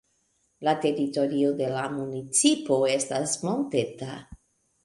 La teritorio de la municipo estas monteta.